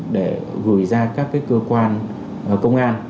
để gửi ra các cái cơ quan công an